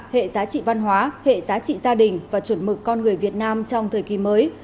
hệ giá trị văn hóa hệ giá trị gia đình và chuẩn mực con người việt nam trong thời kỳ mới